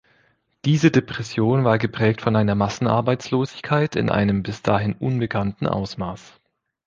Diese Depression war geprägt von einer Massenarbeitslosigkeit in einem bis dahin unbekannten Ausmaß.